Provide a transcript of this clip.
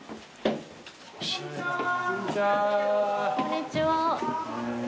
こんにちは。